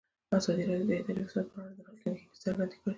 ازادي راډیو د اداري فساد په اړه د راتلونکي هیلې څرګندې کړې.